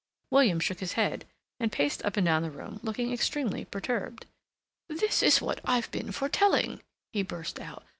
William shook his head, and paced up and down the room looking extremely perturbed. "This is what I've been foretelling," he burst out.